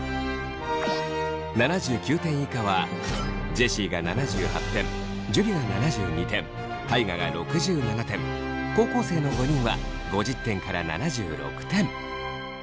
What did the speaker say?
７９点以下はジェシーが７８点樹が７２点大我が６７点高校生の５人は５０点から７６点。